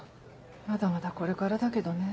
まだまだこれからだけどね。